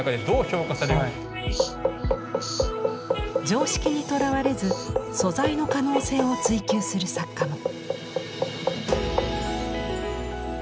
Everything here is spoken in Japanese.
常識にとらわれず素材の可能性を追求する作家も。